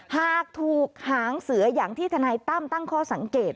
หากถูกหางเสืออย่างที่ทนายตั้มตั้งข้อสังเกต